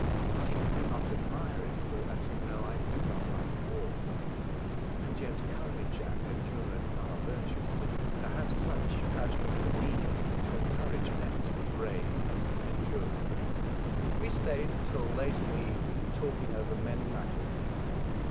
I do not admire it, for, as you know, I do not like war. And yet courage and endurance are virtues, and, perhaps, such pageants are needed to encourage men to be brave and enduring." We stayed till late in the evening talking over many matters.